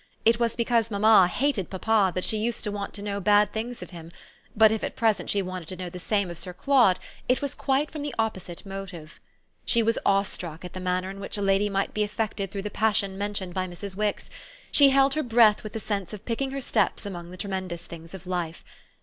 It was because mamma hated papa that she used to want to know bad things of him; but if at present she wanted to know the same of Sir Claude it was quite from the opposite motive. She was awestruck at the manner in which a lady might be affected through the passion mentioned by Mrs. Wix; she held her breath with the sense of picking her steps among the tremendous things of life.